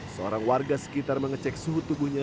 seorang warga sekitar mengecek suhu tubuhnya